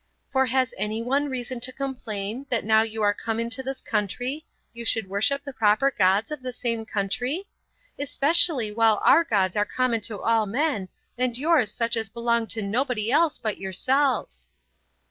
For has any one reason to complain, that now you are come into this country, you should worship the proper gods of the same country? especially while our gods are common to all men, and yours such as belong to nobody else but yourselves."